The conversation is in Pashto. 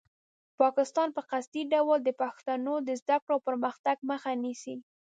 پاکستان په قصدي ډول د پښتنو د زده کړو او پرمختګ مخه نیسي.